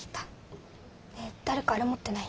ねえ誰かアレ持ってない？